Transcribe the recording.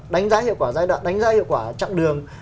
đánh giá hiệu quả giai đoạn đánh giá hiệu quả chặng đường